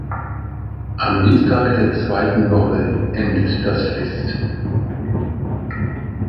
Am Dienstag der zweiten Woche endet das Fest.